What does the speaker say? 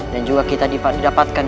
dan juga kita didapatkan